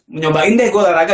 mencobain deh gue olahraga